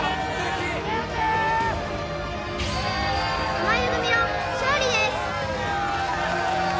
濱家組の勝利です